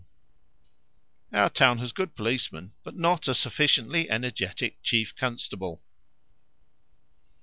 Our town has good policemen, but not a sufficiently energetic chief constable.